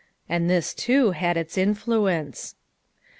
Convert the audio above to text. And this, too, had its influence.